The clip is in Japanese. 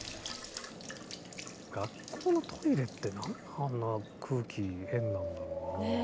学校のトイレって何であんな空気変なんだろうね。